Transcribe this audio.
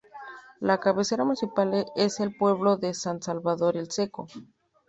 La cabecera municipal es el pueblo de San Salvador El Seco.